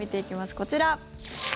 こちら！